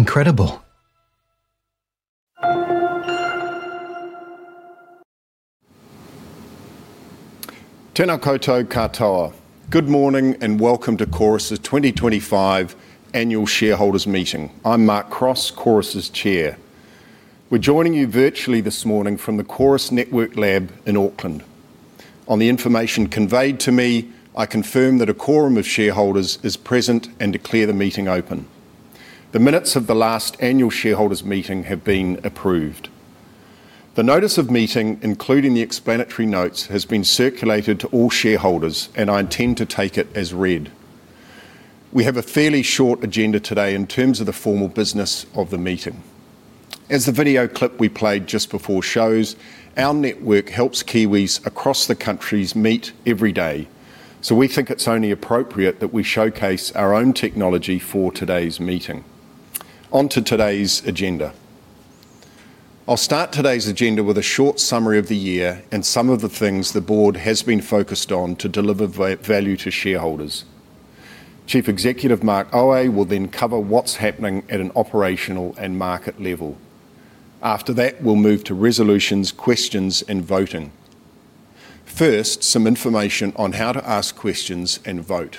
Incredible. Tēnā koutou katoa. Good morning and welcome to Chorus's 2025 annual shareholders meeting. I'm Mark Cross, Chorus' Chair. We're joining you virtually this morning from the Chorus Network Lab in Auckland. On the information conveyed to me, I confirm that a quorum of shareholders is present and declare the meeting open. The minutes of the last annual shareholders meeting have been approved. The notice of meeting, including the explanatory notes has been circulated to all shareholders and I intend to take it as read. We have a fairly short agenda today in terms of the formal business of the meeting. As the video clip we played just before shows, our network helps Kiwis across the country meet every day, so we think it's only appropriate that we showcase our own technology for today's meeting. Onto today's agenda I'll start today's agenda with a short summary of the year and some of the things the Board has been focused on to deliver value to shareholders. Chief Executive Mark Aue will then cover what's happening at an operational and market level. After that we'll move to resolutions, Questions and voting first, some information on how to ask questions and vote.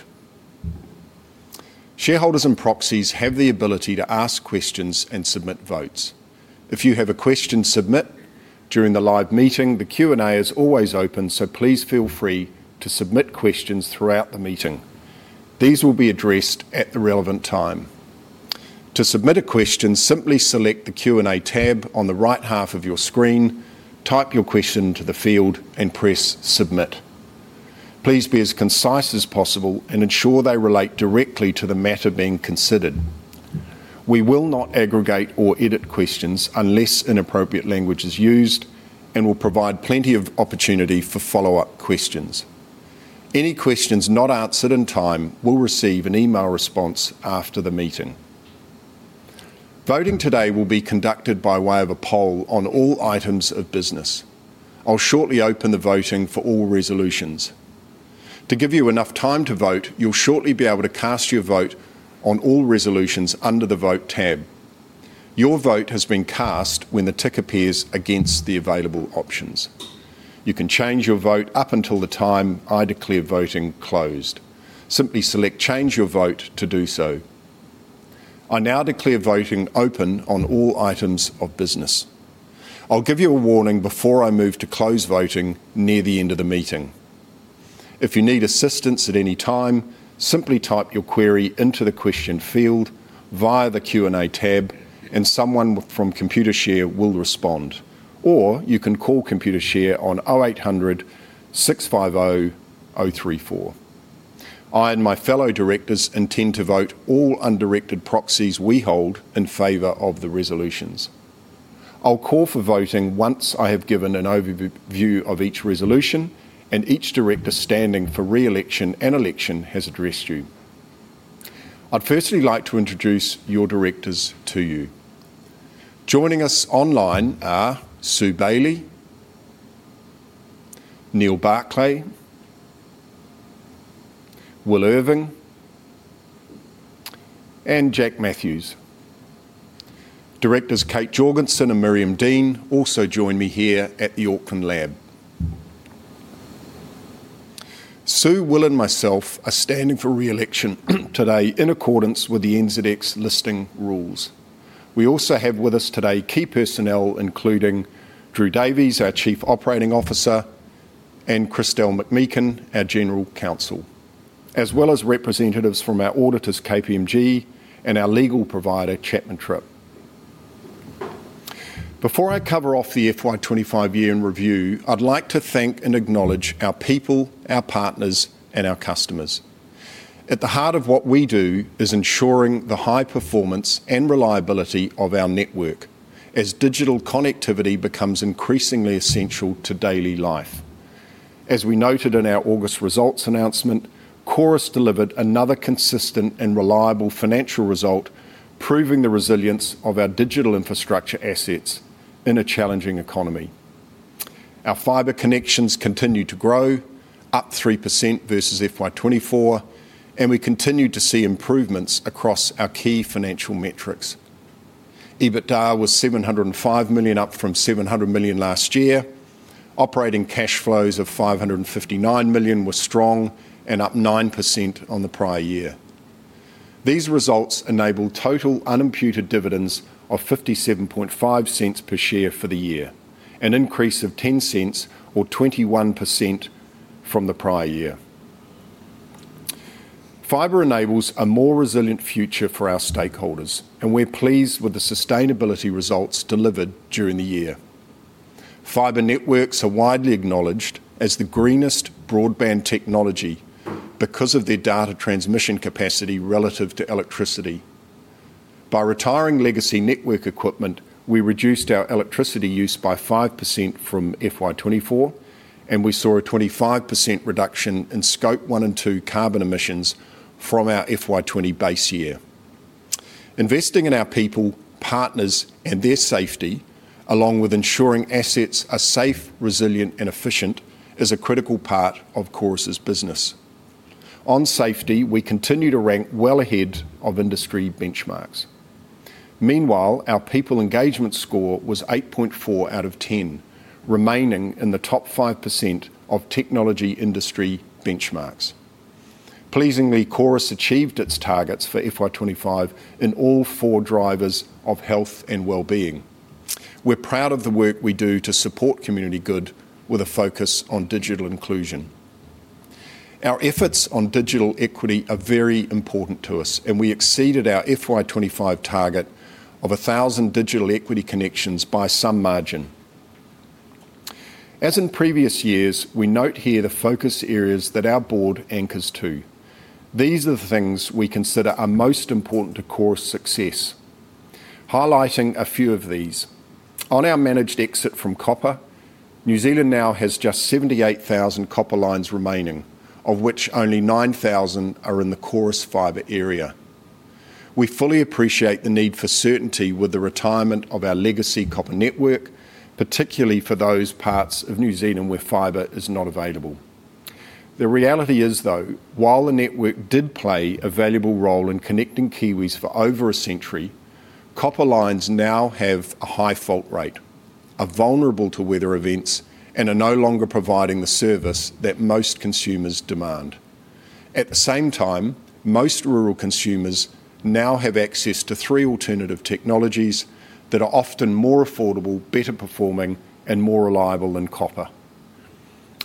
Shareholders and proxies have the ability to ask questions and submit votes. If you have a question submit during the live meeting, the Q&A is always open, so please feel free to submit questions throughout the meeting. These will be addressed at the relevant time. To submit a question, simply select the Q&A tab on the right half of your screen, type your question into the field and press submit. Please be as concise as possible and ensure they relate directly to the matter being considered. We will not aggregate or edit questions unless inappropriate language is used and will provide plenty of opportunity for follow up questions. Any questions not answered in time will receive an email response after the meeting. Voting today will be conducted by way of a poll on all items of business. I'll shortly open the voting for all resolutions to give you enough time to vote. You'll shortly be able to cast your vote on all resolutions under the Vote tab. Your vote has been cast when the tick appears against the available options. You can change your vote up until the time I declare voting closed. Simply select change your vote to do so. I now declare voting open on all items of business. I'll give you a warning before I move to close voting near the end of the meeting. If you need assistance at any time, simply type your query into the question field via the Q&A tab and someone from Computershare will respond. Or you can call Computershare on 0800-650-0034. I and my fellow Directors intend to vote all undirected proxies we hold in favour of the resolutions. I'll call for voting once I have given an overview of each resolution and each Director standing for re-election and election has addressed you. I'd firstly like to introduce your directors to you. Joining us online are Sue Bailey, Neal Barclay, Will Irving and Jack Matthews. Directors Kate Jorgensen and Miriam Dean also join me here at the Auckland Lab. Sue, Will and myself are standing for re-election today in accordance with the NZX Listing Rules. We also have with us today key personnel including Drew Davies, our Chief Operating Officer, and Kristel McMeekin, our General Counsel, as well as representatives from our auditors, KPMG and our legal provider Chapman Tripp. Before I cover off the FY25 year in review, I'd like to thank and acknowledge our people, our partners and our customers. At the heart of what we do is ensuring the high performance and reliability of our network as digital connectivity becomes increasingly essential to daily life. As we noted in our August results announcement, Chorus delivered another consistent and reliable financial result proving the resilience of our digital infrastructure assets in a challenging economy. Our fiber connections continue to grow up 3% versus FY24 and we continued to see improvements across our key financial metrics. EBITDA was 705 million, up from 700 million last year. Operating cash flows of 559 million were strong and up 9% on the prior year. These results enable total unimputed dividends of 0.575 per share for the year, an increase of 0.10 or 21% from the prior year. Fiber enables a more resilient future for our stakeholders and we're pleased with the sustainability results delivered during the year. Fiber networks are widely acknowledged as the greenest broadband technology because of their data transmission capacity relative to electricity. By retiring legacy network equipment, we reduced our electricity use by 5% from FY24 and we saw a 25% reduction in scope 1 and 2 carbon emissions from our FY20 base year. Investing in our people, partners and their safety, along with ensuring assets are safe, resilient and efficient is a critical part of Chorus business. On safety, we continue to rank well ahead of industry benchmarks. Meanwhile, our people engagement score was 8.4 out of 10 remaining in the top 5% of technology industry benchmarks. Pleasingly, Chorus achieved its targets for FY25 in all four drivers of health and wellbeing. We're proud of the work we do to support community good with a focus on digital inclusion. Our efforts on digital equity are very important to us and we exceeded our FY25 target of 1,000 digital equity connections by some margin. As in previous years, we note here the focus areas that our board anchors to. These are the things we consider are most important to Chorus' success, highlighting a few of these on our managed exit from copper. New Zealand now has just 78,000 copper lines remaining, of which only 9,000 are in the Chorus fiber area. We fully appreciate the need for certainty with the retirement of our legacy copper network, particularly for those parts of New Zealand where fibre is not available. The reality is though, while the network did play a valuable role in connecting Kiwis for over a century, copper lines now have a high fault rate, are vulnerable to weather events and are no longer providing the service that most consumers demand. At the same time, most rural consumers now have access to three alternative technologies that are often more affordable, better performing and more reliable than copper.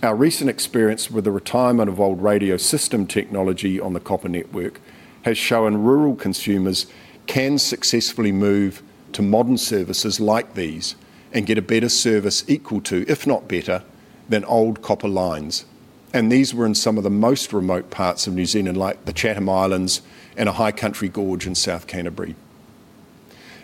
Our recent experience with the retirement of old radio system technology on the Copper Network has shown rural consumers can successfully move to modern services like these and get a better service equal to, if not better than old copper lines, and these were in some of the most remote parts of New Zealand like the Chatham Islands and a high country gorge in South Canterbury.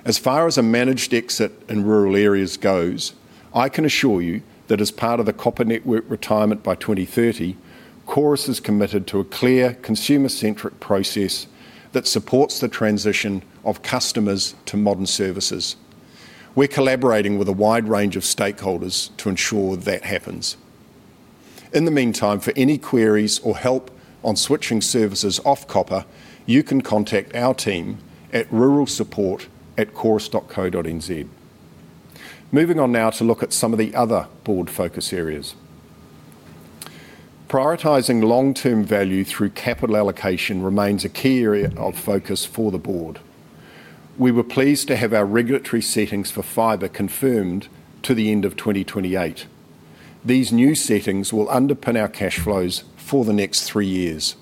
As far as a managed exit in rural areas goes, I can assure you that as part of the Copper Network retirement by 2030, Chorus is committed to a clear consumer centric process that supports the transition of customers to modern services. We're collaborating with a wide range of stakeholders to ensure that happens. In the meantime, for any queries or help on switching services off copper, you can contact our team at ruralsupport@chorus.co.nz. Moving on now to look at some of the other Board focus areas. Prioritising long term value through capital allocation remains a key area of focus for the Board. We were pleased to have our regulatory settings for fiber confirmed to the end of 2028. These new settings will underpin our cash flows for the next three years.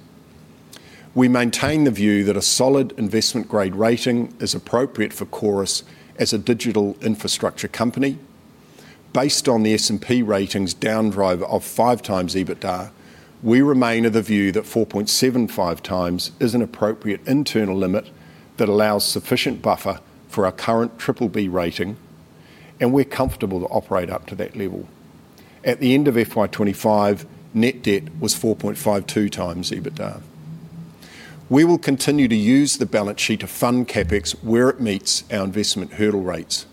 We maintain the view that a solid investment grade rating is appropriate for Chorus as a digital infrastructure company. Based on the S&P rating's downgrade of 5 times EBITDA. We remain of the view that 4.75 times is an appropriate internal limit that allows sufficient buffer for our current BBB rating and we're comfortable to operate up to that level. At the end of FY25 net debt was 4.52 times EBITDA. We will continue to use the balance sheet to fund CapEx where it meets our investment hurdle rates.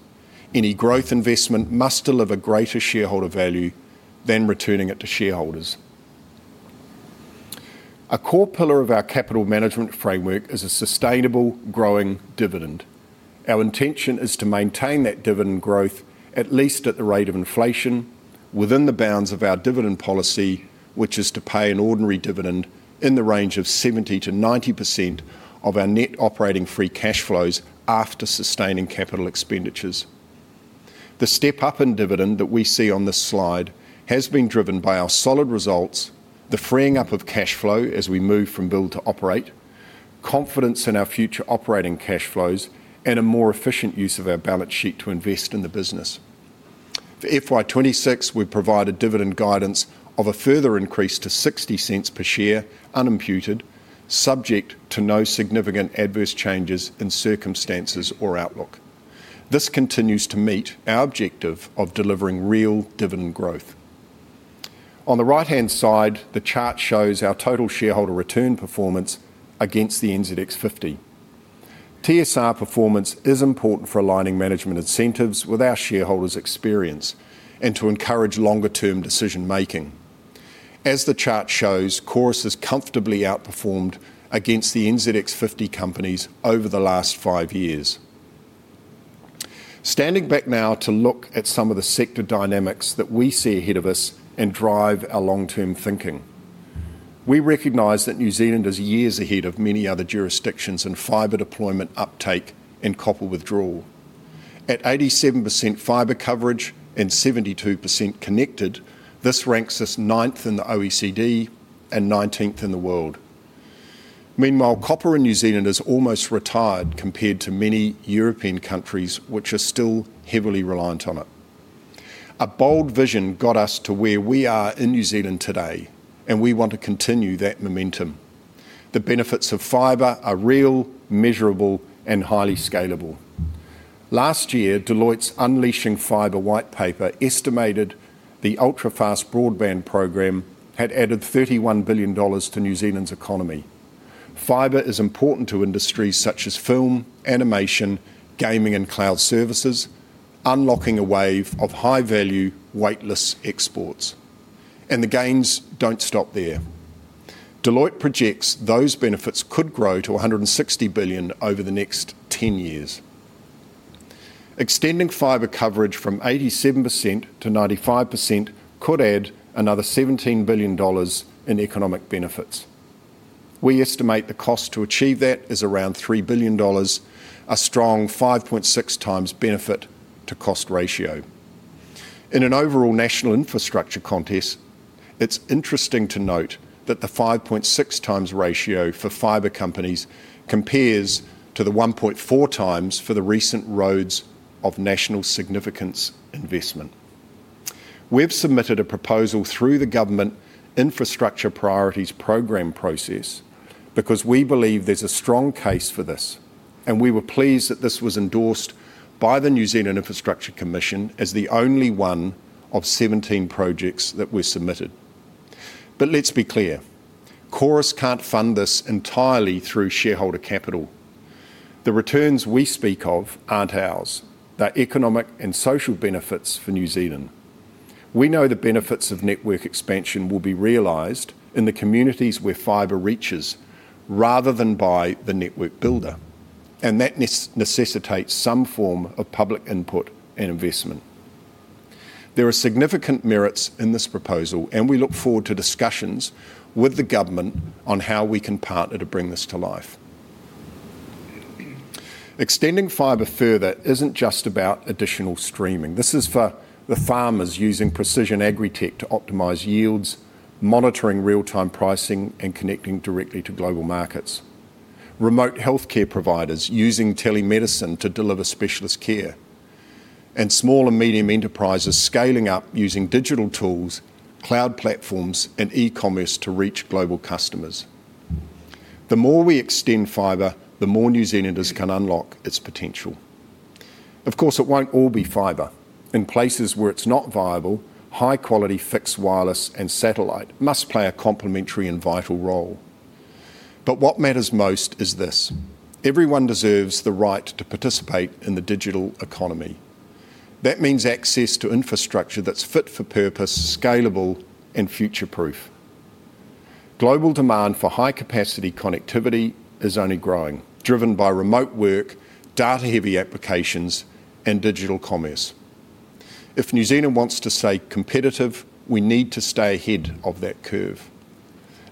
Any growth investment must deliver greater shareholder value than returning it to shareholders. A core pillar of our capital management framework is a sustainable growing dividend. Our intention is to maintain that dividend growth at least at the rate of inflation within the bounds of our dividend policy which is to pay an ordinary dividend in the range of 70%-90% of our net operating free cash flows after sustaining capital expenditures. The step up in dividend that we see on this slide has been driven by our solid results, the freeing up of cash flow as we move from build to operate, confidence in our future operating cash flows, and a more efficient use of our balance sheet to invest in the business. For FY26, we provided dividend guidance of a further increase to 0.60 per share unimputed, subject to no significant adverse changes in circumstances or outlook. This continues to meet our objective of delivering real dividend growth. On the right hand side, the chart shows our total shareholder return performance against the NZX50. TSR performance is important for aligning management incentives with our shareholders' experience and to encourage longer term decision making. As the chart shows, Chorus has comfortably outperformed against the NZX50 companies over the last five years. Standing back now to look at some of the sector dynamics that we see ahead of us and drive our long term thinking, we recognise that New Zealand is years ahead of many other jurisdictions in fibre deployment uptake and copper withdrawal. At 87% fibre coverage and 72% connected, this ranks us ninth in the OECD and 19th in the world. Meanwhile, copper in New Zealand is almost retired compared to many European countries which are still heavily reliant on it. A bold vision got us to where we are in New Zealand today and we want to continue that momentum. The benefits of fibre are real, measurable and highly scalable. Last year Deloitte's unleashing fibre white paper estimated the Ultrafast Broadband program had added 31 billion dollars to New Zealand's economy. Fibre is important to industries such as film, animation, gaming and cloud services, unlocking a wave of high value weightless export. And the gains don't stop there. Deloitte projects those benefits could grow to 160 billion over the next 10 years. Extending fibre coverage from 87%-95% could add another 17 billion dollars in economic benefits. We estimate the cost to achieve that is around 3 billion dollars, a strong 5.6 times benefit to cost ratio in an overall national infrastructure contest. It's interesting to note that the 5.6 times ratio for fibre compares to the 1.4 times for the recent roads of national significance investment. We've submitted a proposal through the Government Infrastructure Priorities Program process because we believe there's a strong case for this and we were pleased that this was endorsed by the New Zealand Infrastructure Commission as the only one of 17 projects that were submitted. But let's be clear, Chorus can't fund this entirely through shareholder capital. The returns we speak of aren't ours, they're economic and social benefits for New Zealand. We know the benefits of network expansion will be realised in the communities where fibre reaches rather than by the network builder and that necessitates some form of public input and investment. There are significant merits in this proposal and we look forward to discussions with the government on how we can partner to bring this to life. Extending fiber further isn't just about additional streaming. This is for the farmers using precision AgriTech to optimize yields, monitoring real-time pricing and connecting directly to global markets. Remote healthcare providers using telemedicine to deliver specialist care and small and medium enterprises scaling up using digital tools, cloud platforms and e-commerce to reach global customers. The more we extend fiber, the more New Zealanders can unlock its potential. Of course it won't all be fiber in places where it's not viable. High quality, fixed, wireless and satellite must play a complementary and vital role. But what matters most is this. Everyone deserves the right to participate in the digital economy. That means access to infrastructure that's fit for purpose, scalable and future proof. Global demand for high capacity connectivity is only growing, driven by remote work, data, heavy applications and digital commerce. If New Zealand wants to stay competitive, we need to stay ahead of that curve.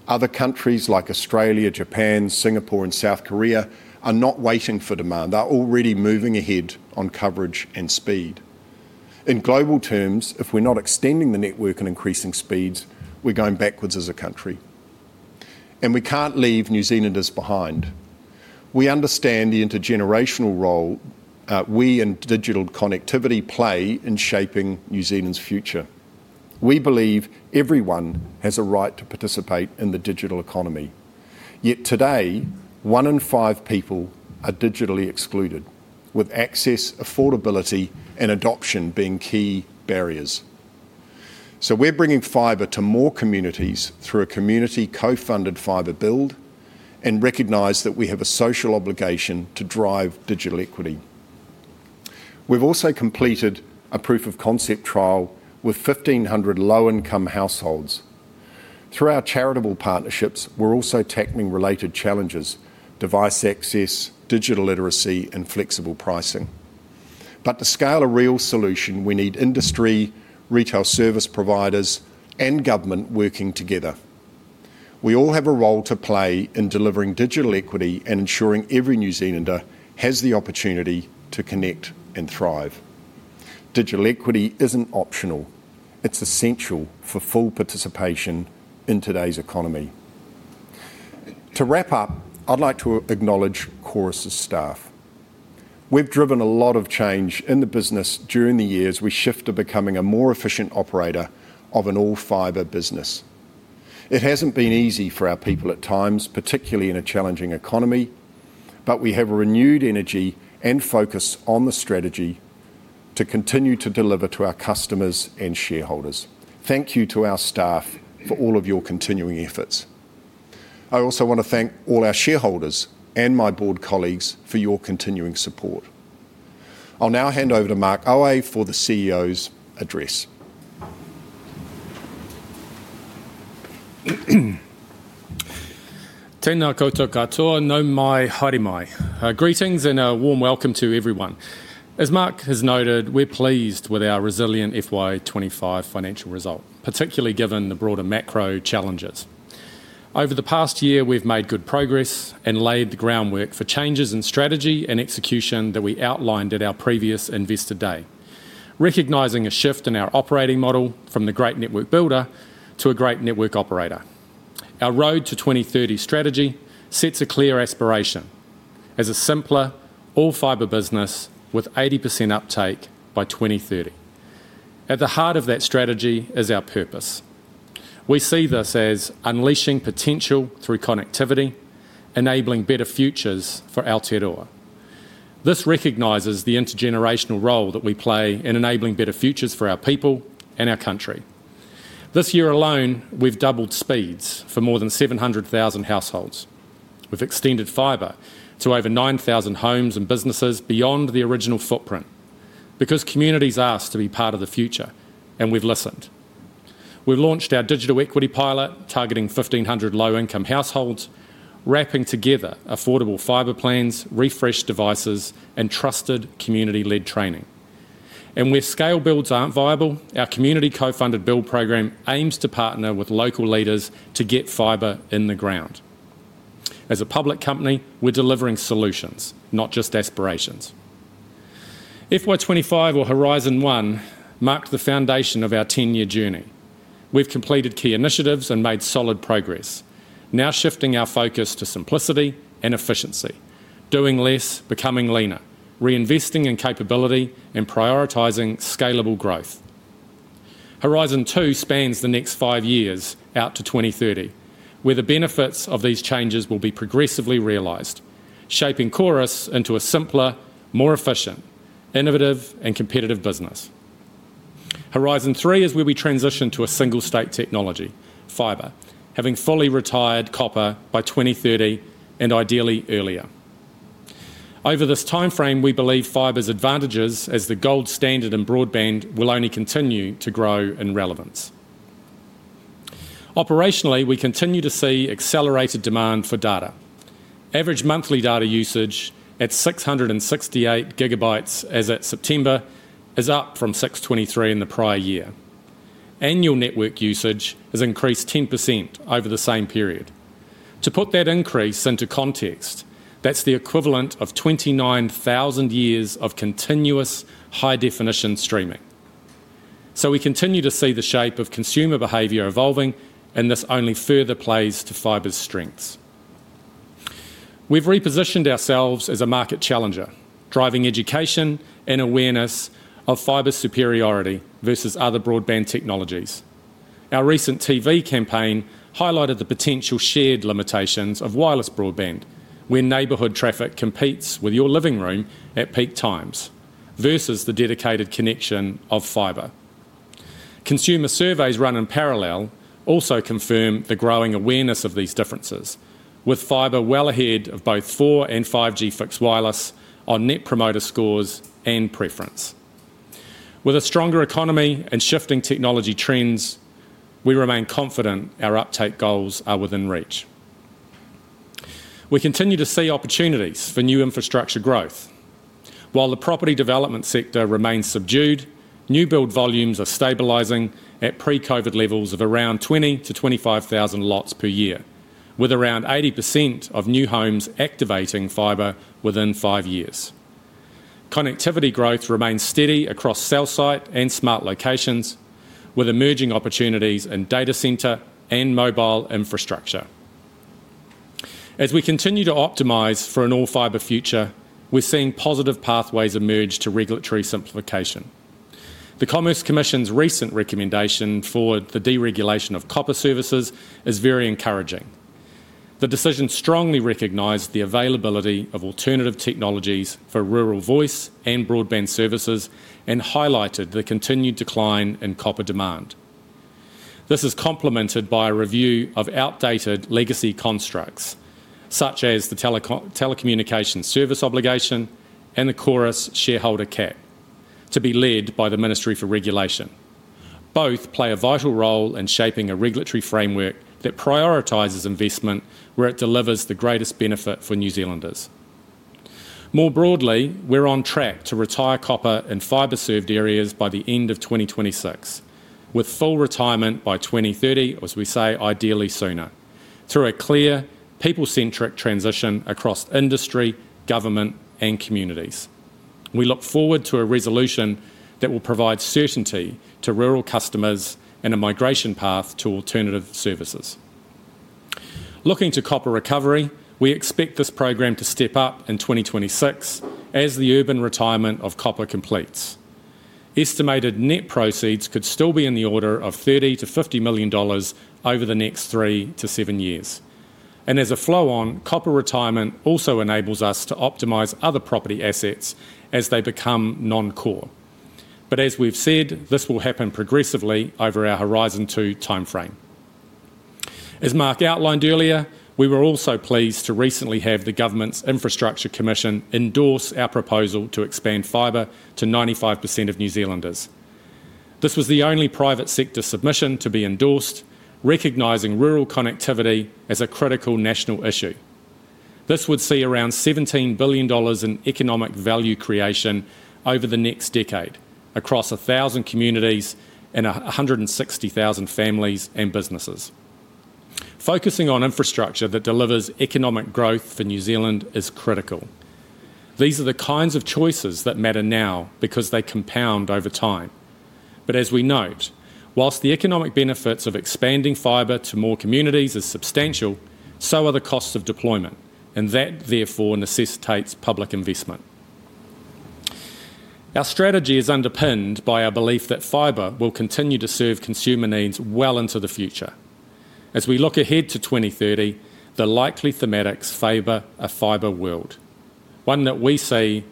Other countries like Australia, Japan, Singapore and South Korea are not waiting for demand. They're already moving ahead on coverage and speed in global terms. If we're not extending the network and increasing speeds, we're going backwards as a country and we can't leave New Zealanders behind. We understand the intergenerational role we in digital connectivity play in shaping New Zealand's future. We believe everyone has a right to participate in the digital economy. Yet today one in five people are digitally excluded with access, affordability and adoption being key barriers. So we're bringing fiber to more communities through a community co-funded fiber build and recognise that we have a social obligation to drive digital equity. We've also completed a proof of concept trial with 1500 low-income households. Through our charitable partnerships we're also tackling related challenges device access, digital literacy and flexible pricing. But to scale a real solution we need industry, retail, service providers and government working together. We all have a role to play in delivering digital equity and ensuring every New Zealander has the opportunity to connect and thrive. Digital equity isn't optional. It's essential for full participation in today's economy. To wrap up, I'd like to acknowledge Chorus's staff. We've driven a lot of change in the business during the years we shift to becoming a more efficient operator of an all fiber business. It hasn't been easy for our people at times, particularly in a challenging economy, but we have a renewed energy and focus on the strategy to continue to deliver to our customers and shareholders. Thank you to our staff for all of your continuing efforts. I also want to thank all our shareholders and my board colleagues for your continuing support. I'll now hand over to Mark Aue for the CEO's address. Tēnā koutou katoa nō mai haere mai. Greetings and a warm welcome to everyone. As Mark has noted, we're pleased with our resilient FY25 financial result, particularly given the broader macro challenges. Over the past year we've made good progress and laid the groundwork for changes in strategy and execution that we outlined at our previous investor day. Recognising a shift in our operating model from the great network builder to a great network operator, our Road to 2030 Strategy sets a clear aspiration as a simpler all-fiber business with 80% uptake by 2030. At the heart of that strategy is our purpose. We see this as unleashing potential through connectivity, enabling better futures for Aotearoa. This recognises the intergenerational role that we play in enabling better futures for our people and our country. This year alone we've doubled speeds for more than 700,000 households. We've extended fiber to over 9,000 homes and businesses beyond the original footprint. Because communities asked to be part of the future and we've listened, we've launched our digital equity pilot targeting 1,500 low-income households, wrapping together affordable fiber plans, refresh devices and trusted community-led training. And where scale builds aren't viable, our community co-funded build program aims to partner with local leaders to get fiber in the ground. As a public company we're delivering solutions, not just aspirations. FY25 or Horizon 1 marked the foundation of our 10-year journey. We've completed key initiatives and made solid progress now shifting our focus to simplicity and efficiency, doing less, becoming leaner, reinvesting in capability and prioritizing scalable growth. Horizon 2 spans the next five years out to 2030, where the benefits of these changes will be progressively realized, shaping Chorus into a simpler, more efficient, innovative and competitive business. Horizon 3 is where we transition to a steady-state technology fiber. Having fully retired copper by 2030 and ideally earlier, over this time frame, we believe fiber's advantages as the gold standard in broadband will only continue to grow in relevance. Operationally, we continue to see accelerated demand for data. Average monthly data usage at 668 GBs as at September is up from 623 in the prior year. Annual network usage has increased 10% over the same period. To put that increase into context, that's the equivalent of 29,000 years of continuous high-definition streaming. So we continue to see the shape of consumer behavior evolving and this only further plays to fiber's strengths. We've repositioned ourselves as a market challenger, driving education and awareness of fiber superiority versus other broadband technologies. Our recent TV campaign highlighted the potential shared limitations of wireless broadband, where neighbourhood traffic competes with your living room and at peak times versus the dedicated connection of fiber. Consumer surveys run in parallel also confirm the growing awareness of these differences. With fiber well ahead of both 4G and 5G fixed wireless on net promoter scores and preference. With a stronger economy and shifting technology trends, we remain confident our uptake goals are within reach. We continue to see opportunities for new infrastructure growth while the property development sector remains subdued. New build volumes are stabilising at pre-Covid levels of around 20-25,000 lots per year, with around 80% of new homes activating fibre within five years. Connectivity growth remains steady across cell site and smart locations with emerging opportunities in data centre and mobile infrastructure. As we continue to optimise for an all fibre future, we're seeing positive pathways emerge to regulatory simplification. The Commerce Commission's recent recommendation for the deregulation of copper services is very encouraging. The decision strongly recognised the availability of alternative technologies for rural voice and broadband services and highlighted the continued decline in copper demand. This is complemented by a review of outdated legacy constructs such as the telecommunications service obligation and the Chorus shareholder cap to be led by the Ministry for Regulation. Both play a vital role in shaping a regulatory framework that prioritises investment where it delivers the greatest benefit for New Zealanders. More broadly, we're on track to retire copper in fibre served areas by the end of 2026, with full retirement by 2030 or as we say, ideally sooner through a clear people centric transition across industry, government and communities. We look forward to a resolution that will provide certainty to rural customers and a migration path to alternative services. Looking to copper recovery, we expect this program to step up in 2026 as the urban retirement of copper completes. Estimated net proceeds could still be in the order of 30-50 million dollars over the next three to seven years. And as a flow on copper retirement also enables us to optimise other property assets as they become non core. But as we've said, this will happen progressively over our horizon two time frame. As Mark outlined earlier. We were also pleased to recently have the Government's Infrastructure Commission endorse our proposal to expand fibre to 95% of New Zealanders. This was the only private sector submission to be endorsed. Recognising rural connectivity as a critical national issue. This would see around 17 billion dollars in economic value creation over the next decade across 1,000 communities and 160,000 families and businesses. Focusing on infrastructure that delivers economic growth for New Zealand is critical. These are the kinds of choices that matter now because they compound over time. But as we note, whilst the economic benefits of expanding fibre to more communities is substantial, so are the costs of deployment and that therefore necessitates public investment. Our strategy is underpinned by our belief that fibre will continue to serve consumer needs well into the future. As we look ahead to 2030, the likely thematics favor a fibre world. One that we see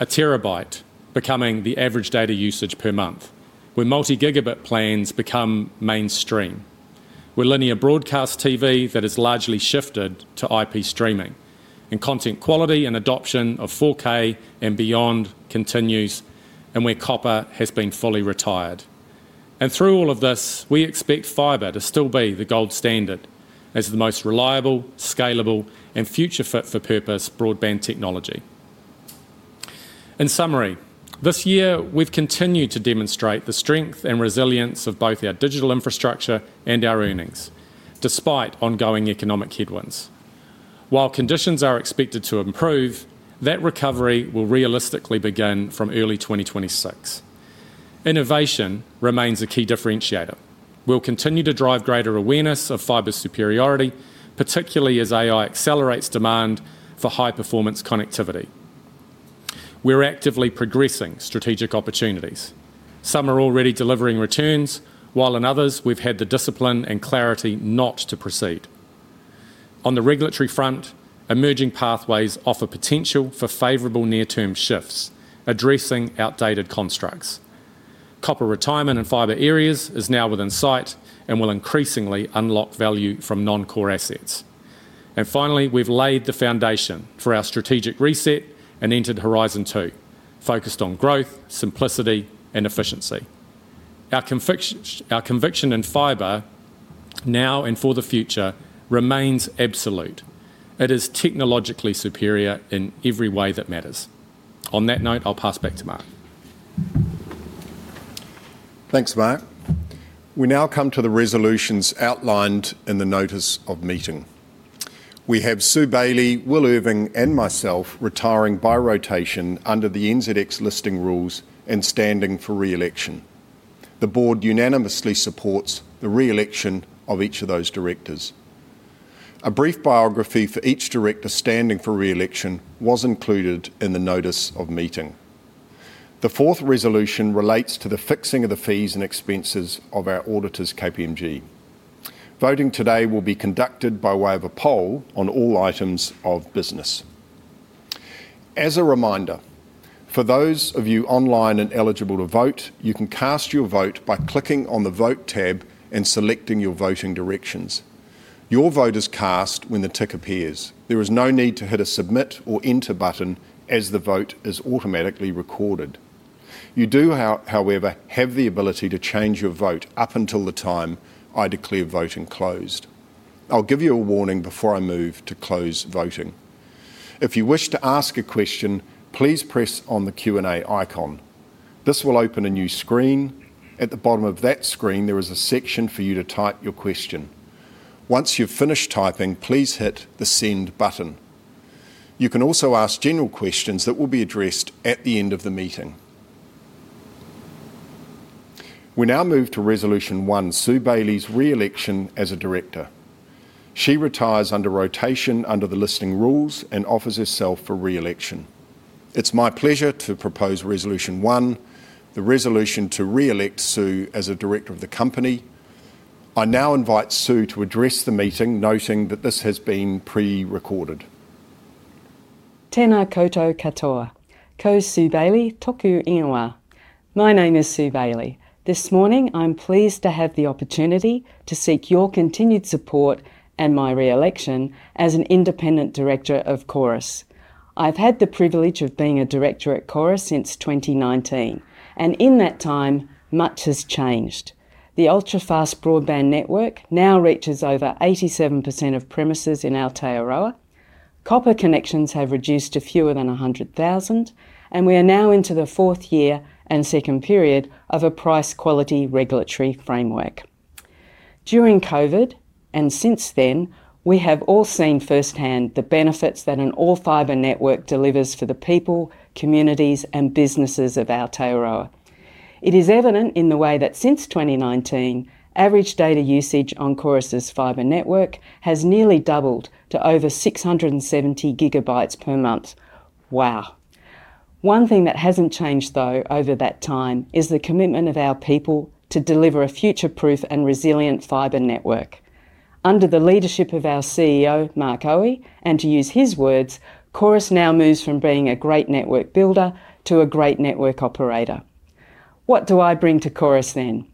a terabyte becoming the average data usage per month. Where multi-gigabit plans become mainstream, where linear broadcast TV that has largely shifted to IP streaming and content quality and adoption of 4K and beyond continues, and where copper has been fully retired. Through all of this we expect fiber to still be the gold standard as the most reliable, scalable, and future-fit for purpose broadband technology. In summary, this year we've continued to demonstrate the strength and resilience of both our digital infrastructure and our earnings despite ongoing economic headwinds. While conditions are expected to improve, that recovery will realistically begin from early 2026. Innovation remains a key differentiator. We'll continue to drive greater awareness of fiber superiority, particularly as AI accelerates demand for high-performance connectivity. We're actively progressing strategic opportunities. Some are already delivering returns while in others we've had the discipline and clarity not to proceed. On the regulatory front, emerging pathways offer potential for favorable near-term shifts addressing outdated constructs. Copper retirement in fiber areas is now within sight and will increasingly unlock value from non-core assets. Finally, we've laid the foundation for our strategic reset and entered horizon two focused on growth, simplicity, and efficiency. Our conviction in fiber now and for the future remains absolute. It is technologically superior in every way that matters. On that note, I'll pass back to Mark. Thanks, Mark. We now come to the resolutions outlined in the Notice of Meeting. We have Sue Bailey, Will Irving and myself retiring by rotation under the NZX Listing Rules and standing for re-election. The Board unanimously supports the re-election of each of those Directors. A brief biography for each Director standing for re-election was included in the Notice of Meeting. The fourth resolution relates to the fixing of the fees and expenses of our auditors. KPMG voting today will be conducted by way of a poll on all items of business. As a reminder for those of you online and eligible to vote, you can cast your vote by clicking on the Vote tab and selecting your voting directions. Your vote is cast when the tick appears. There is no need to hit a submit or Enter button as the vote is automatically recorded. You do however have the ability to change your vote up until the time I declare voting closed. I'll give you a warning before I move to close voting. If you wish to ask a question, please press on the Q&A icon. This will open a new screen. At the bottom of that screen there is a section for you to type your question. Once you've finished typing, please hit the send button. You can also ask general questions that will be addressed at the end of the meeting. We now move to Resolution 1 Sue Bailey's re-election as a Director. She retires by rotation under the Listing Rules and offers herself for re-election. It's my pleasure to propose Resolution 1, the resolution to re-elect Sue as a Director of the company. I now invite Sue to address the meeting noting that this has been pre-recorded. Tēnā koutou katoa. Ko Sue Bailey tōku ingoa. My name is Sue Bailey. This morning I'm pleased to have the opportunity to seek your continued support and my re-election as an Independent Director of Chorus. I've had the privilege of being a Director at Chorus since 2019 and in that time much has changed. The Ultrafast broadband network now reaches over 87% of premises in Aotearoa. Copper connections have reduced to fewer than 100,000 and we are now into the fourth year and second period of a price-quality regulatory framework during COVID and since then we have all seen firsthand the benefits that an all fibre network delivers for the people, communities and businesses of Aotearoa. It is evident in the way that since 2019 average data usage on Chorus Fibre network has nearly doubled to over 670 GBs per month. Wow. One thing that hasn't changed though over that time is the commitment of our people to deliver a future-proof and resilient fibre network. Under the leadership of our CEO Mark Aue and to use his words, Chorus now moves from being a great network builder to a great network operator. What do I bring to Chorus then?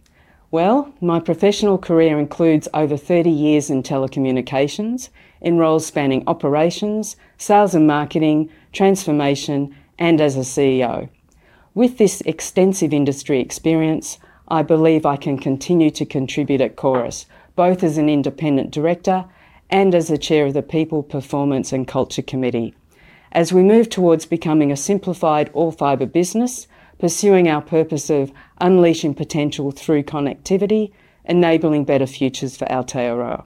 Well, my professional career includes over 30 years in telecommunications in roles spanning operations, sales and marketing transformation and as a CEO. With this extensive industry experience, I believe I can continue to contribute at Chorus both as an Independent Director and as the Chair of the People Performance and Culture Committee as we move towards becoming a simplified all fibre business pursuing our purpose of unleashing potential through connectivity, enabling better futures for Aotearoa.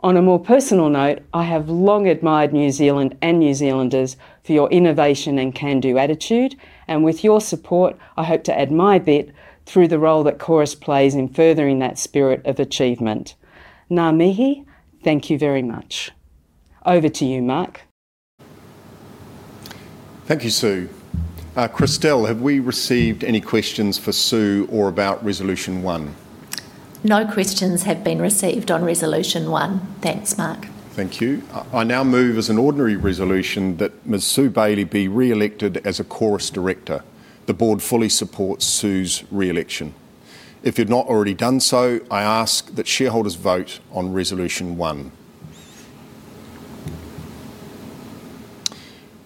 On a more personal note, I have long admired New Zealand and New Zealanders for your innovation and can-do attitude and with your support I hope to add my bit through the role that Chorus plays in furthering that spirit of achievement. Ngā mihi, thank you very much. Over to you Mark. Thank you, Sue. Kristel, have we received any questions for Sue or about Resolution 1? No questions have been received on Resolution 1. Thank you. Thanks Mark. Thank you. I now move as an ordinary resolution that Ms. Sue Bailey be re-elected as a Chorus Director. The Board fully supports Sue's re-election. If you have not already done so, I ask that shareholders vote on resolution one.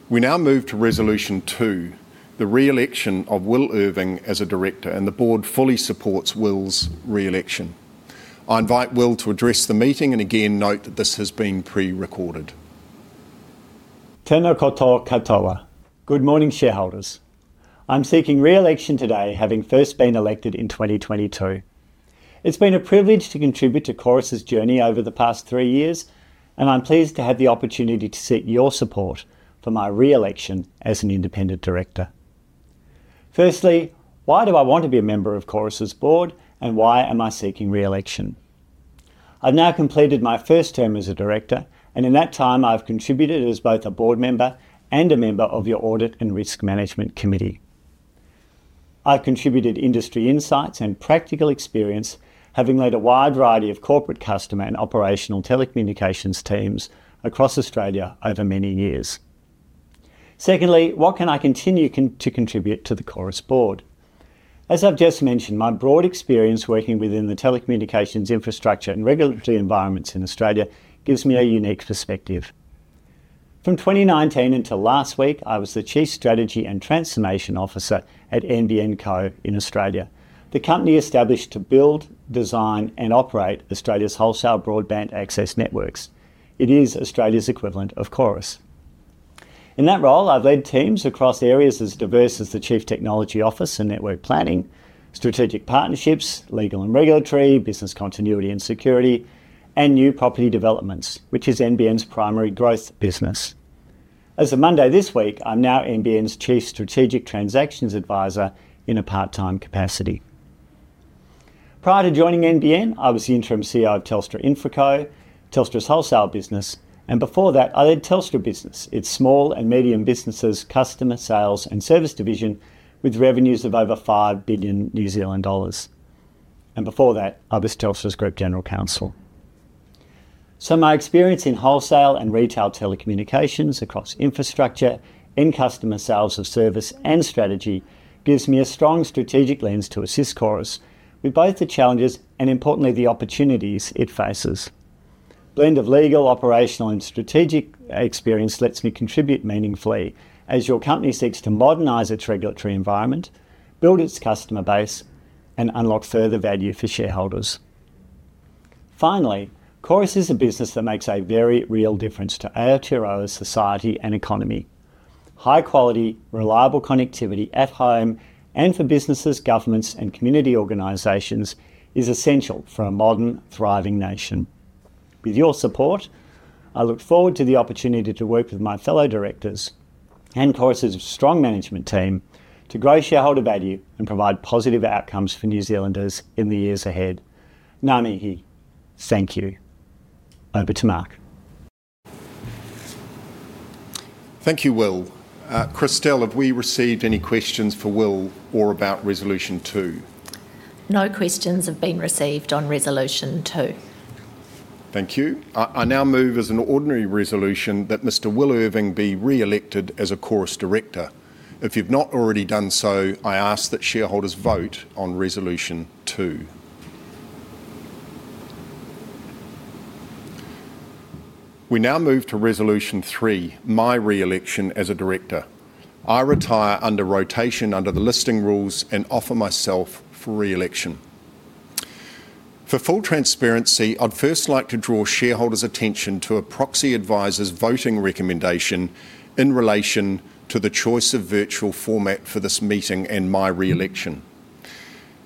We now move to resolution two, the re-election of Will Irving as a Director and the Board fully supports Will's re-election. I invite Will to address the meeting and again note that this has been pre-recorded. Tēnā koutou katoa. Good morning shareholders. I'm seeking re-election today. Having first been elected in 2022, it's been a privilege to contribute to Chorus's journey over the past three years and I'm pleased to have the opportunity to seek your support for my re-election as an Independent Director. Firstly, why do I want to be a member of Chorus Board and why am I seeking re-election? I've now completed my first term as a Director and in that time I've contributed as both a Board member and a member of your Audit and Risk Management Committee. I've contributed industry insights and practical experience, having led a wide variety of corporate, customer and operational telecommunications teams across Australia over many years. Secondly, what can I continue to contribute to the Chorus Board? As I've just mentioned, my broad experience working within the telecommunications infrastructure and regulatory environments in Australia gives me a unique perspective. From 2019 until last week, I was the Chief Strategy and Transformation Officer at NBN Co in Australia, the company established to build, design and operate Australia's wholesale broadband access networks. It is Australia's equivalent of Chorus. In that role, I've led teams across areas as diverse as the Chief Technology, office and network planning, strategic partnerships, legal and regulatory, business continuity and security and new property developments, which is NBN's primary growth business. As of Monday this week, I'm now NBN's chief strategic transactions Advisor in a part time capacity. Prior to joining NBN, I was the interim CEO of Telstra InfraCo, Telstra's wholesale business and before that I led Telstra Business, its small and medium businesses customer sales and service division with revenues of over 5 billion New Zealand dollars and before that I was Telstra's Group General Counsel. So my experience in wholesale and retail telecommunications across infrastructure, end customer sales of service and strategy gives me a strong strategic lens to assist Chorus with both the challenges and importantly the opportunities it faces. Blend of legal, operational and strategic experience lets me contribute meaningfully as your company seeks to modernize its regulatory environment, build its customer base and unlock further value for shareholders. Finally, Chorus is a business that makes a very real difference to Aotearoa society and economy. High quality, reliable connectivity at home and for businesses, governments and community organisations is essential for a modern thriving nation. With your support, I look forward to the opportunity to work with my fellow directors and Chorus strong management team to grow shareholder value and provide positive outcomes for New Zealanders in the years ahead. Ngā mihi, thank you. Over to Mark. Thank you, Will. Kristel, have we received any questions for Will or about Resolution 2? No questions have been received on Resolution 2. Thank you. I now move as an ordinary resolution that Mr. Will Irving be re-elected as a Chorus director. If you've not already done so, I ask that shareholders vote on resolution two. We now move to resolution three, my re-election as a director. I retire under rotation under the Listing Rules and offer myself for re-election. For full transparency, I'd first like to draw shareholders' attention to a proxy advisor's voting recommendation in relation to the choice of virtual format for this meeting and my re-election.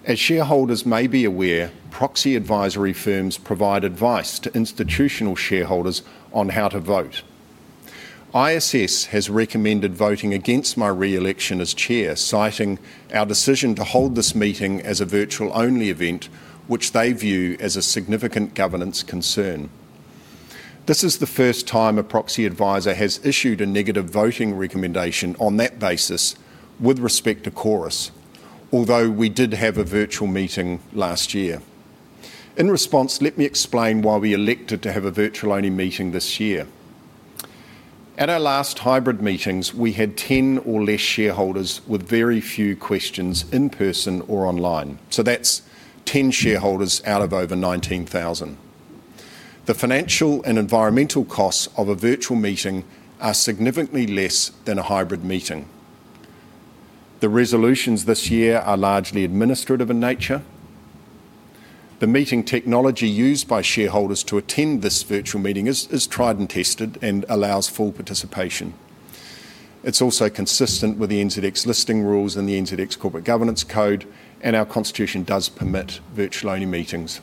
As shareholders may be aware, proxy advisory firms provide advice to institutional shareholders on how to vote. ISS has recommended voting against my re-election as chair, citing our decision to hold this meeting as a virtual-only event which they view as a significant governance concern. This is the first time a proxy advisor has issued a negative voting recommendation on that basis with respect to Chorus, although we did have a virtual meeting last year. In response, let me explain why we elected to have a virtual-only meeting this year. At our last hybrid meetings, we had 10 or less shareholders with very few questions in person or online. So that's 10 shareholders out of over 19,000. The financial and environmental costs of a virtual meeting are significantly less than a hybrid meeting. The resolutions this year are largely administrative in nature. The meeting technology used by shareholders to attend this virtual meeting is tried and tested and allows full participation. It's also consistent with the NZX Listing Rules and the NZX Corporate Governance Code, and our constitution does permit virtual-only meetings.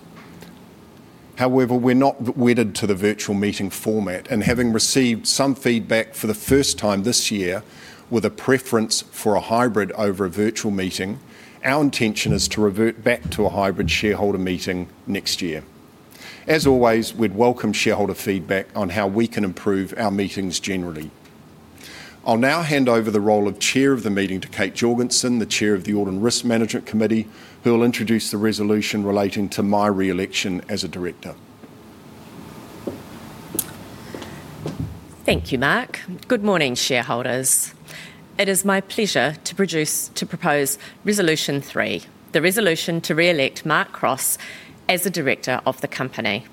However, we're not wedded to the virtual meeting format and having received some feedback for the first time this year with a preference for a hybrid over a virtual meeting, our intention is to revert back to a hybrid shareholder meeting next year. As always, we'd welcome shareholder feedback on how we can improve our meetings generally. I'll now hand over the role of Chair of the meeting to Kate Jorgensen, the Chair of the Audit and Risk Management Committee, who will introduce the resolution relating to my re-election as a director. Thank you, Mark. Good morning shareholders.It is my pleasure to proceed to propose Resolution 3, the resolution to re-elect Mark Cross as the Director of the company.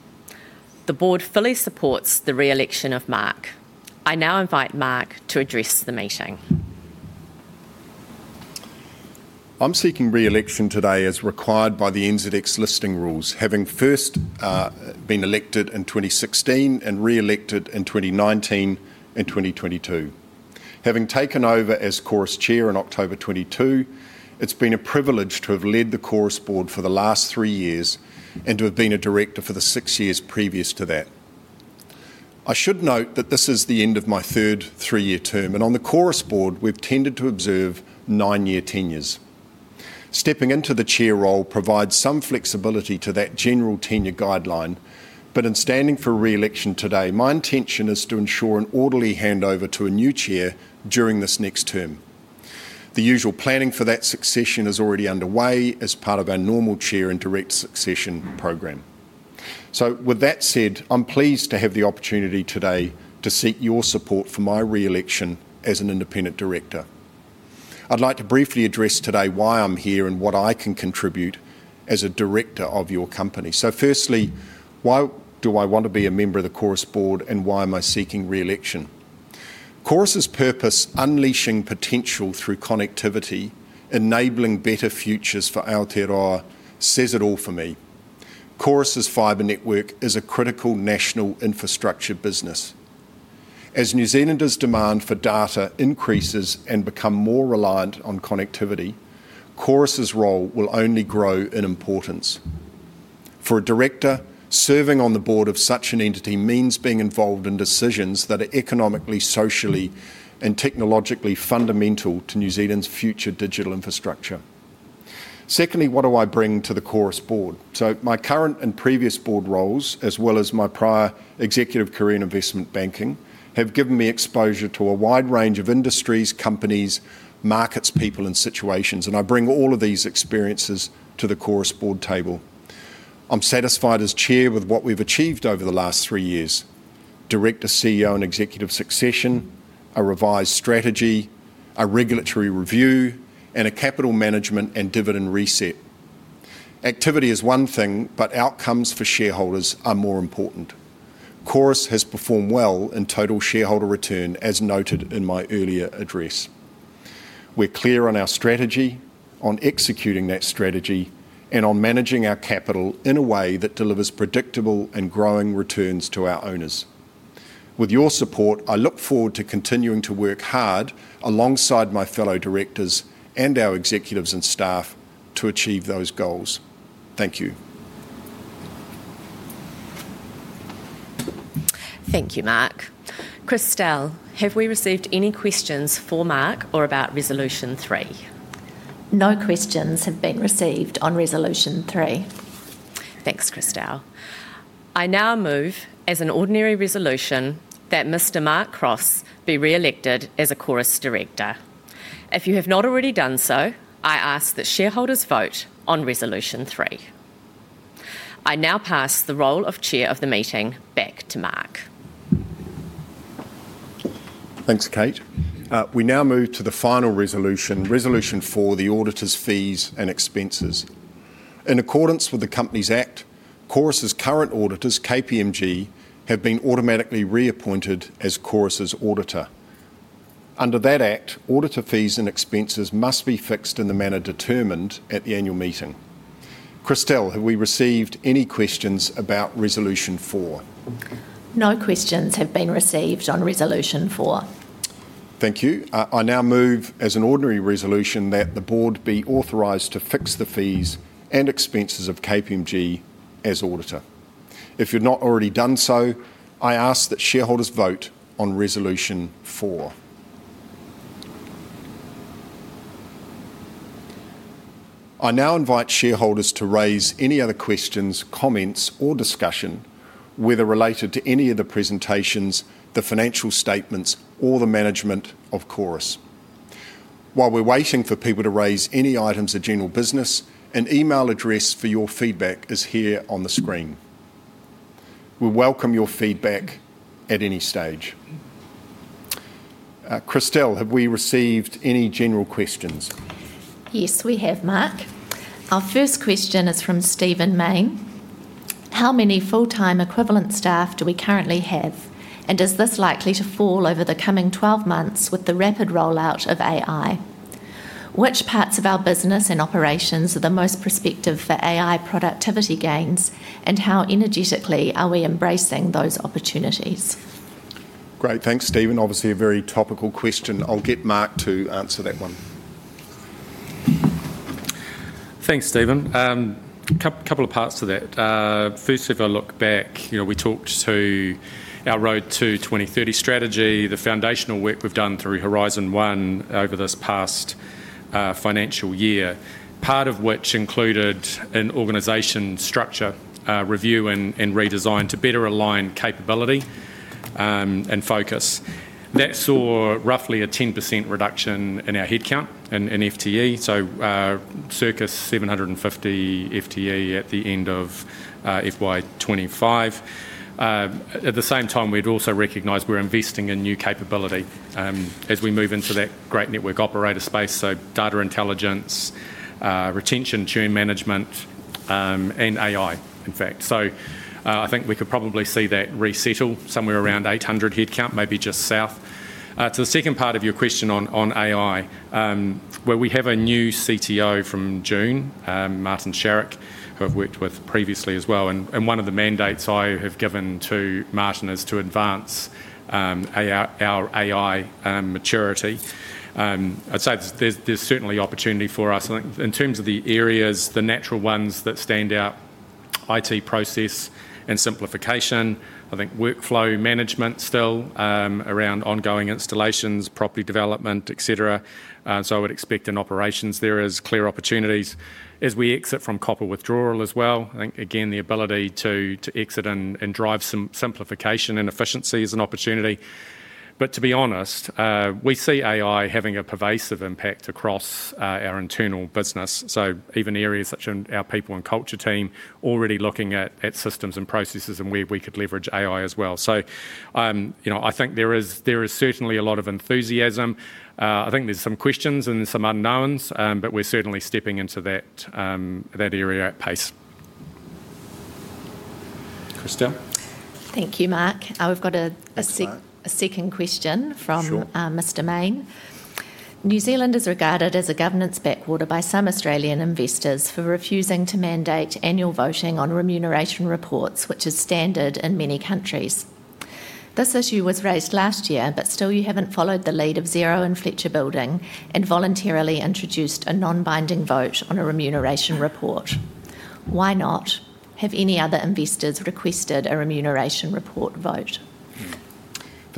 The Board fully supports the re-election of Mark. I now invite Mark to address the meeting. I'm seeking re-election today as required by the NZX Listing Rules. Having first been elected in 2016 and re-elected in 2019 and 2022, having taken over as Chorus Chair in October 2022, it's been a privilege to have led the Chorus Board for the last three years and to have been a Director for the six years previous to that. I should note that this is the end of my third three-year term and on the Chorus Board we've tended to observe nine-year tenures. Stepping into the Chair role provides some flexibility to that general tenure guideline. But in standing for re-election today, my intention is to ensure an orderly handover to a new Chair during this next term. The usual planning for that succession is already underway as part of our normal Chair and director succession program. So with that said, I'm pleased to have the opportunity today to seek your support for my re-election as an Independent Director. I'd like to briefly address today why I'm here and what I can contribute as a Director of your company. So firstly, why do I want to be a member of the Chorus Board and why am I seeking re-election? Chorus' purpose, Unleashing potential through connectivity Enabling better futures for Aotearoa, says it all for me. Chorus's Fibre Network is a critical national infrastructure business. As New Zealanders' demand for data increases and become more reliant on connectivity, Chorus's role will only grow in importance. For a Director, serving on the board of such an entity means being involved in decisions that are economically, socially and technologically fundamental to New Zealand's future digital infrastructure. Secondly, what do I bring to the Chorus Board? So my current and previous board roles, as well as my prior executive career in investment banking, have given me exposure to a wide range of industries, companies, markets, people and situations. And I bring all of these experiences to the Chorus Board. I'm satisfied as Chair with what we've achieved over the last three years. Director, CEO and executive succession, a revised strategy, a regulatory review and a capital management and dividend reset. Activity is one thing, but outcomes for shareholders are more important. Chorus has performed well in total shareholder return. As noted in my earlier address. We're clear on our strategy, on executing that strategy, and on managing our capital in a way that delivers predictable and growing returns to our owners. With your support, I look forward to continuing to work hard alongside my fellow directors and our executives and staff to achieve those goals. Thank you. Thank you, Mark. Kristel, have we received any questions for Mark or about Resolution 3? No questions have been received on Resolution 3. Thanks, Kristel. I now move as an ordinary resolution that Mr. Mark Cross be re-elected as a Chorus Director. If you have not already done so, I ask that shareholders vote on Resolution 3. I now pass the role of Chair of the meeting back to Mark. Thanks, Kate. We now move to the final resolution, Resolution 4. The auditor's fees and expenses in accordance with the Companies Act. Chorus' current auditors, KPMG, have been automatically reappointed as Chorus' auditors under that Act. Auditor fees and expenses must be fixed in the manner determined at the annual meeting. Kristel, have we received any questions about Resolution 4? No questions have been received on Resolution 4. Thank you. I now move as an ordinary resolution that the Board be authorised to fix the fees and expenses of KPMG as auditor. If you've not already done so, I ask that shareholders vote on Resolution 4. I now invite shareholders to raise any other questions, comments or discussion, whether related to any of the presentations, the financial statements or the management of Chorus. While we're waiting for people to raise any items of general business, an email address for your feedback is here on the screen. We welcome your feedback at any stage. Kristel, have we received any general questions? Yes, we have, Mark. Our first question is from Stephen Mayne. How many full-time equivalent staff do we currently have and is this likely to fall over the coming 12 months with the rapid rollout of AI? Which parts of our business and operations are the most prospective for AI productivity gains and how energetically are we embracing those opportunities? Great. Thanks, Stephen. Obviously a very topical question. I'll get Mark to answer that one. Thanks, Stephen. A couple of parts to that. First, if I look back, you know, we talked to our Road to 2030 Strategy, the foundational work we've done through Horizon One over this past financial year, part of which included an organization structure review and redesign to better align capability and focus that saw roughly a 10% reduction in our headcount in FTE. So circa 750 FTE at the end of FY25. At the same time we'd also recognize we're investing in new capability as we move into that great network operator space. So data intelligence retention, team management and AI in fact. So I think we could probably see that resettle somewhere around 800 headcount. Moving to the second part of your question on AI, where we have a new CTO from June, Martin Sharrock, who I've worked with previously as well. And one of the mandates I have given to Martin is to advance our AI maturity. I'd say there's certainly opportunity for us in terms of the areas, the natural ones that stand out, IT process and simplification. I think workflow management still around ongoing installations, property development, et cetera. So I would expect in operations there is clear opportunities as we exit from copper withdrawal as well. I think again the ability to exit and drive some simplified and efficiency is an opportunity. But to be honest, we see AI having a pervasive impact across our internal business. So even areas such as our People and Culture team already looking at systems and processes and where we could leverage AI as well. So, you know, I think there is, there is certainly a lot of enthusiasm. I think there's some questions and some unknowns, but we're certainly stepping into that area at pace. Kristel. Thank you, Mark. We've got a second question from Mr. Mayne. New Zealand is regarded as a governance backwater by some Australian investors for refusing to mandate annual voting on remuneration reports, which is standard in many countries. This issue was raised last year, but still you haven't followed the lead of Xero and Fletcher Building and voluntarily introduced a non-binding vote on a remuneration report. Why not? Have any other investors requested a remuneration report vote?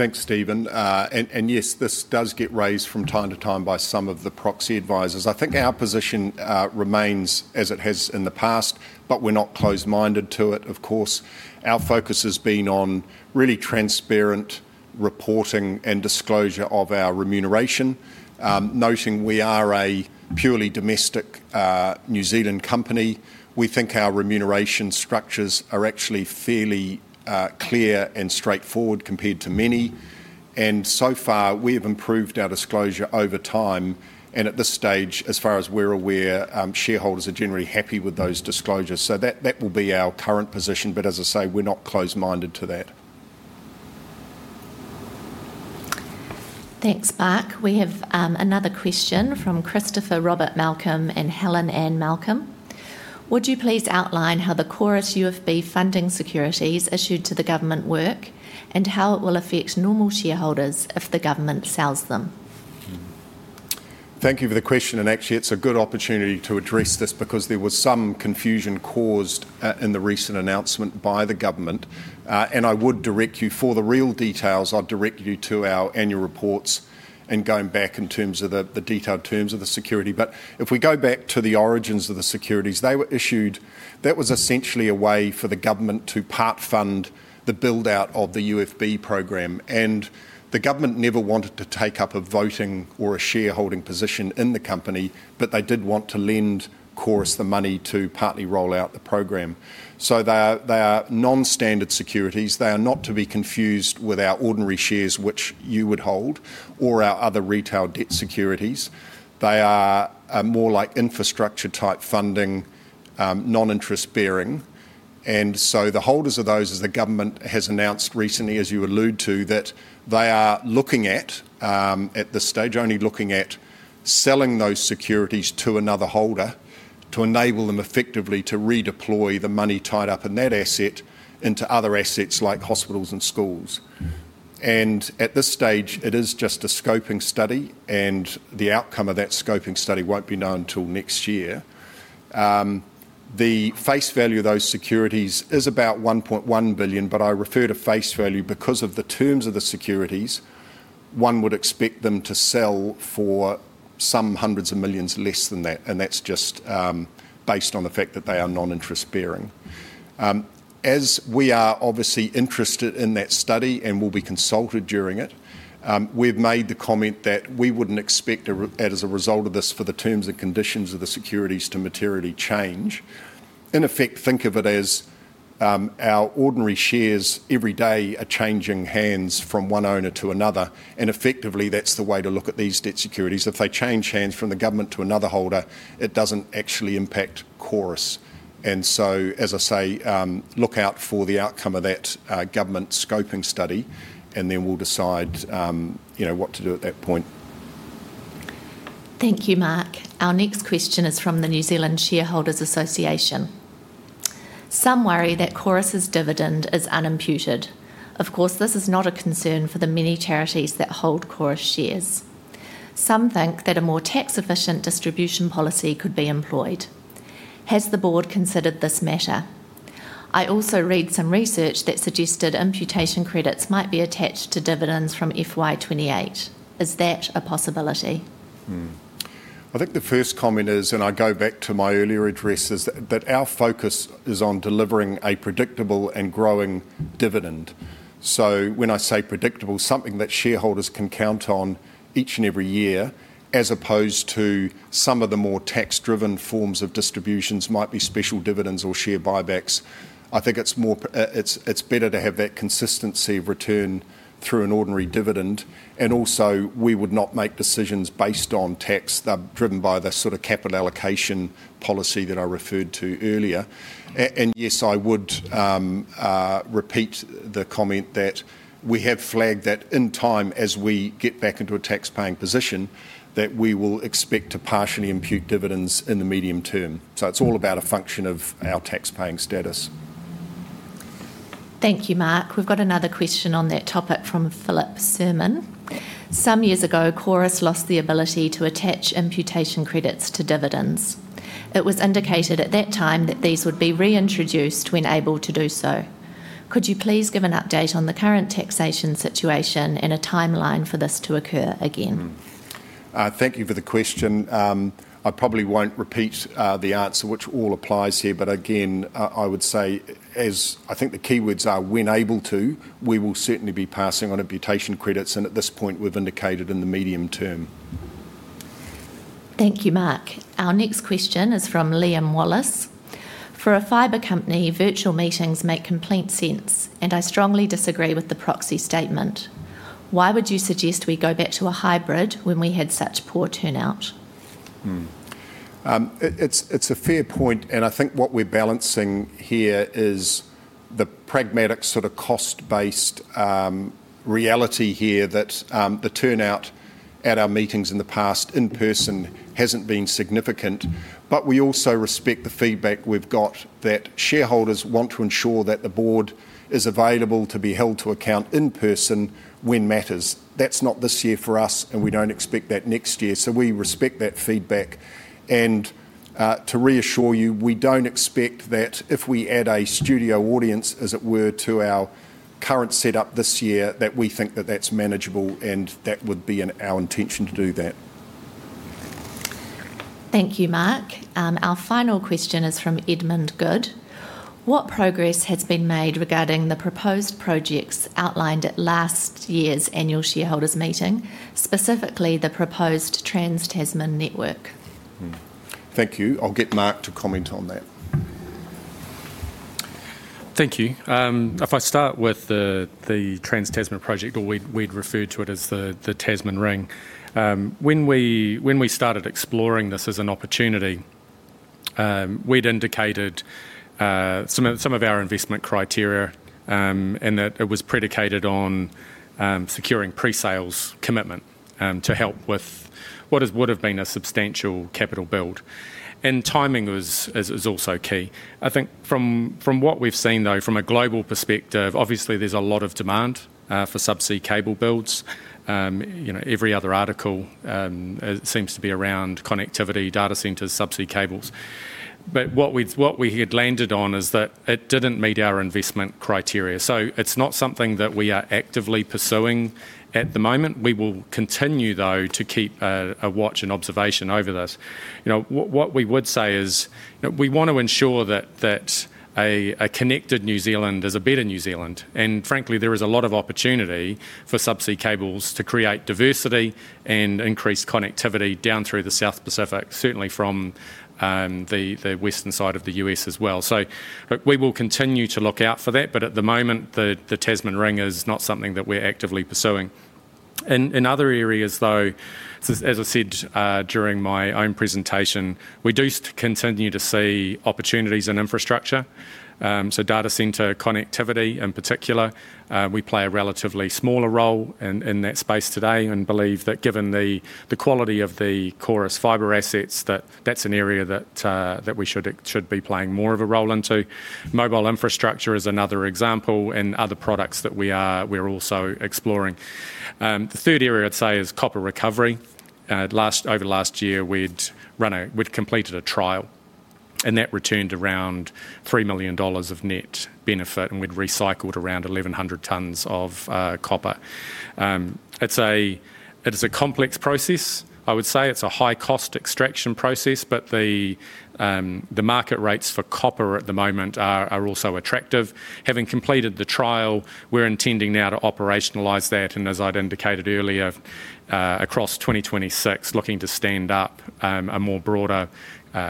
Thanks, Stephen. And yes, this does get raised from time to time by some of the proxy advisers. I think our position remains as it has in the past, but we're not close minded to it. Of course our focus has been on really transparent reporting and disclosure of our remuneration, noting we are a purely domestic New Zealand company. We think our remuneration structures are actually fairly clear and straightforward compared to many. And so far we have improved our disclosure over time and at this stage, as far as we're aware, shareholders are generally happy with those disclosures. So that will be our current position but as I say, we're not close minded to that. Thanks, Mark. We have another question from Christopher Robert Malcolm and Helen N. Malcolm. Would you please outline how the Chorus UFB funding securities issued to the government work and how it will affect normal shareholders if the government sells them? Thank you for the question, and actually it's a good opportunity to address this because there was some confusion caused by the recent announcement by the government, and I would direct you for the real details. I'll direct you to our annual reports and going back in terms of the detailed terms of the security, but if we go back to the origins of the securities they were issued, that was essentially a way for the government to part fund the build out of the UFB program. The government never wanted to take up a voting or a shareholding position in the company, but they did want to lend Chorus the money to partly roll out the program. So they are non-standard securities. They are not to be confused with our ordinary shares which you would hold or our other retail debt securities. They are more like infrastructure type funding, non-interest-bearing. The holders of those, as the government has announced recently, as you allude to, that they are looking at this stage only looking at selling those securities to another holder to enable them effectively to redeploy the money tied up in that asset into other assets like hospitals and schools. At this stage it is just a scoping study and the outcome of that scoping study won't be known until next year. The face value of those securities is about 1.1 billion. I refer to face value because of the terms of the securities one would expect them to sell for some hundreds of millions less than that. That's just based on the fact that they are non-interest-bearing. We are obviously interested in that study and will be consulted during it. We've made the comment that we wouldn't expect as a result of this for the terms and conditions of the securities to maturity change. In effect, think of it as our ordinary shares every day are changing hands from one owner to another and effectively that's the way to look at these debt securities. If they change hands from the government to another holder, it doesn't actually impact Chorus. As I say, look out for the outcome of that government scoping study and then we'll decide what to do at that point. Thank you, Mark. Our next question is from the New Zealand Shareholders Association. Some worry that Chorus dividend is unimputed. Of course this is not a concern for the many charities that hold Chorus shares. Some think that a more tax efficient distribution policy could be employed. Has the board considered this matter? I also read some research that suggested imputation credits might be attached to dividends from FY28. Is that a possibility? I think the first comment is, and I go back to my earlier address, is that our focus is on delivering a predictable and growing dividend. So when I say predictable, something that shareholders can count on each and every year as opposed to some of the more tax-driven forms of distributions might be special dividends or share buybacks. I think it's more it's better to have that consistency of return through an ordinary dividend. And also we would not make decisions based on tax driven by the sort of capital allocation policy that I referred to earlier. And yes, I would repeat the comment that we have flagged that in time as we get back into a taxpaying position that we will expect to partially impute dividends in the medium term. So it's all about a function of our taxpaying status. Thank you, Mark. We've got another question on that topic from Philip Serman. Some years ago Chorus lost the ability to attach imputation credits to dividends. It was indicated at that time that these would be reintroduced when able to do so. Could you please give an update on the current taxation situation and a timeline for this to occur? Again, thank you for the question. I probably won't repeat the answer which all applies here, but again I would say as I think the keywords are when able to, we will certainly be passing on imputation credits and at this point we've indicated in the medium term. Thank you, Mark. Our next question is from Liam Wallace. For a fiber company, virtual meetings make complete sense and I strongly disagree with the proxy statement. Why would you suggest we go back to a hybrid when we had such poor turnout? Hmm. It's a fair point, and I think what we're balancing here is the pragmatic sort of cost-based reality here that the turnout at our meetings in the past in person hasn't been significant, but we also respect the feedback we've got that shareholders want to ensure that the board is available to be held to account in person when matters. That's not this year for us and we don't expect that next year, so we respect that feedback and to reassure you, we don't expect that if we add a studio audience, as it were, to our current setup this year, that we think that that's manageable and that would be our intention to do that. Thank you, Mark. Our final question is from Edmund Good. What progress has been made regarding the proposed projects outlined at last year's annual shareholders meeting. Specifically the proposed trans-Tasman network. Thank you. I'll get Mark to comment on that. Thank you. If I start with the trans-Tasman project or we'd refer to it as the Tasman Ring, when we started exploring this as an opportunity, we'd indicated some of our investment criteria and that it was predicated on securing pre-sales commitment to help with what would have been a substantial capital build. And timing is also key. I think from what we've seen, though, from a global perspective, obviously there's a lot of demand for subsea cable builds. You know, every other article seems to be around connectivity, data centers, subsea cables, but what we had landed on is that it didn't meet our investment criteria. So it's not something that we are actively pursuing at the moment. We will continue, though, to keep a watch and observation over this. You know, what we would say is we want to ensure that a connected New Zealand is a better New Zealand. And frankly, there is a lot of opportunity for subsea cables to create diversity and increase connectivity down through the South Pacific, certainly from the western side of the U.S. as well. So we will continue to look out for that. But at the moment, the Tasman Ring is not something that we're actively pursuing. In other areas, though, as I said during my own presentation, we do continue to see opportunities in infrastructure. So data center connectivity in particular, we play a relatively smaller role in that space today and believe that given the quality of the Chorus fiber assets, that that's an area that we should be playing more of a role into. Mobile infrastructure is another example and other products that we're also exploring. The third area I'd say is copper recovery. Over the last year we'd run a. We'd completed a trial and that returned around 3 million dollars of net benefit and we'd recycled around 1,100 tonnes of copper. It's a. It is a complex process. I would say it's a high cost extraction process but the. The market rates for copper at the moment are also attractive. Having completed the trial, we're intending now to operationalize that and as I'd indicated earlier, across 2026, looking to stand up a more broader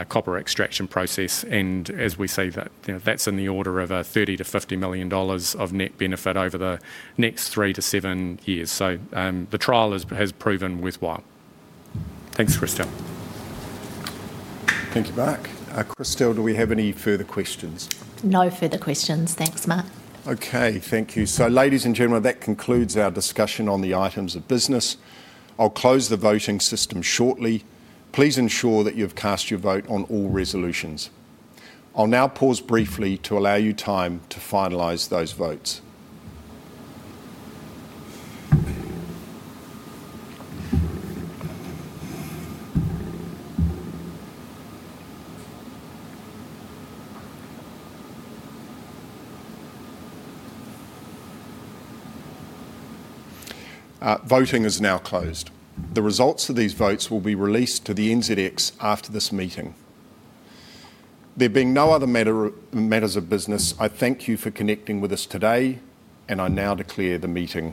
copper extraction process and as we see that that's in the order of 30-50 million dollars of net benefit over the next three to seven years. So the trial has proven worthwhile. Thanks, Kristel. Thank you, Mark. Kristel, do we have any further questions? No further questions. Thanks, Mark. Okay. Okay, thank you. So, ladies and gentlemen, that concludes our discussion on the items of business. I'll close the voting system shortly. Please ensure that you've cast your vote on all resolutions. I'll now pause briefly to allow you time to finalize those votes. Voting is now closed. The results of these votes will be released to the NZX after this meeting. There being no other matters of business, I thank you for connecting with us today and I now declare the meeting.